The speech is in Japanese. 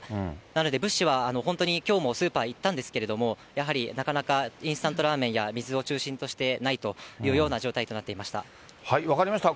なので、物資は本当に、きょうもスーパー行ったんですけれども、やはりなかなかインスタントラーメンや水を中心として、ないとい分かりました。